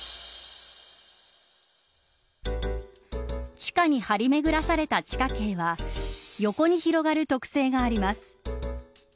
地下に張り巡らされた地下茎は横に広がる特性があります。